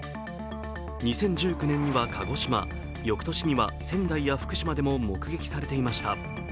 ２０１９年には鹿児島、翌年には仙台や福島でも目撃されていました。